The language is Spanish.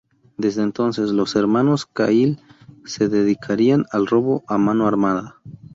Desde entonces, los hermanos Cahill se dedicarían al robo a mano armada.